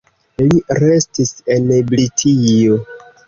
Li restis en Britio.